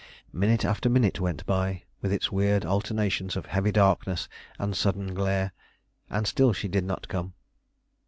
Minute after minute went by, with its weird alternations of heavy darkness and sudden glare; and still she did not come.